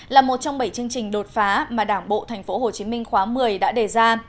là một trong bảy chương trình đột phá mà đảng bộ tp hcm khóa một mươi đã đề ra